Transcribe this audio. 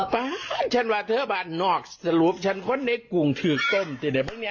ไปฉันว่าเธอบ้านนอกสรุปฉันคนในกรุงถือก้มแต่เดี๋ยวมึงเนี่ย